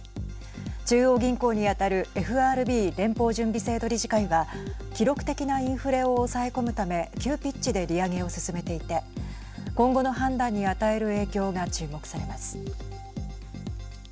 中央銀行に当たるＦＲＢ＝連邦準備制度理事会は記録的なインフレを抑え込むため急ピッチで利上げを進めていて今後の判断に与える影響が注目されます。